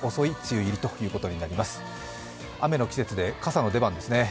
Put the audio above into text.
雨の季節で傘の出番ですね。